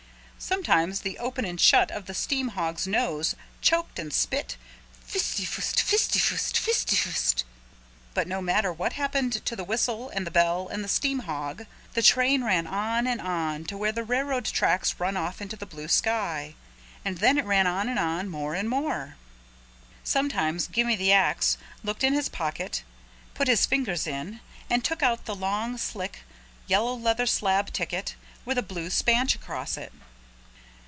Sometimes the open and shut of the steam hog's nose choked and spit pfisty pfoost, pfisty pfoost, pfisty pfoost. But no matter what happened to the whistle and the bell and the steam hog, the train ran on and on to where the railroad tracks run off into the blue sky. And then it ran on and on more and more. Sometimes Gimme the Ax looked in his pocket, put his fingers in and took out the long slick yellow leather slab ticket with a blue spanch across it.